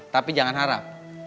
tapi jangan harap